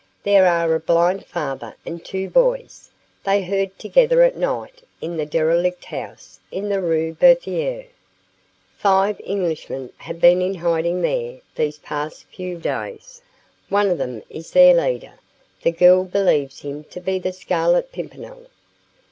There are a blind father and two boys; they herd together at night in the derelict house in the Rue Berthier. Five Englishmen have been in hiding there these past few days. One of them is their leader. The girl believes him to be the Scarlet Pimpernel."